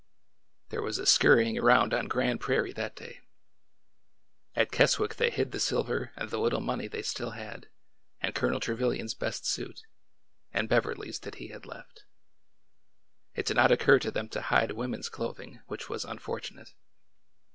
There was a scurrying around on Grand Prairie that day. At Keswick they hid the silver and the little money they still had, and Colonel Trevilian's best suit, and Bev erly's that he had left. It did not occur to them to hide women's clothing, which was unfortunate.